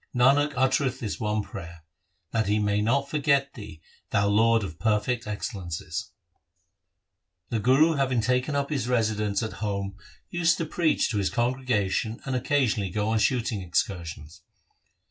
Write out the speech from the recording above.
Nanak uttereth this one prayer — That he may not forget Thee, Thou Lord of perfect excellences ! 1 The Guru having taken up his residence at home used to preach to his congregation and occasionally go on shooting excursions.